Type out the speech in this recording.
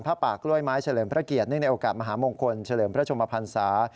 ป่ากล้วยไม้เฉลิมพระเกียรติเนื่องในโอกาสมหามงคลเฉลิมพระชมพันศา